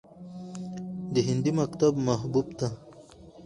د هندي مکتب محبوب ته